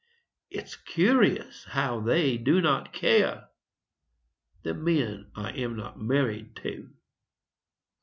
It's curious how they do not care The men I am not married to.